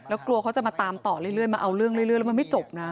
แล้วกลัวเขาจะมาตามต่อเรื่อยมาเอาเรื่องเรื่อยแล้วมันไม่จบนะ